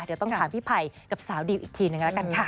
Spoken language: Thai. เดี๋ยวต้องถามพี่ไผ่กับสาวดิวอีกทีหนึ่งแล้วกันค่ะ